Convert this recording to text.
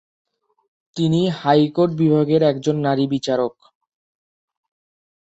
তিনি হাইকোর্ট বিভাগের একজন নারী বিচারক।